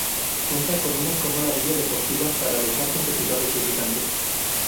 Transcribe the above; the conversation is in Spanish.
Cuenta con una cómoda Villa Deportiva para alojar competidores visitantes.